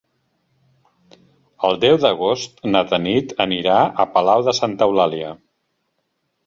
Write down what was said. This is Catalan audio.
El deu d'agost na Tanit anirà a Palau de Santa Eulàlia.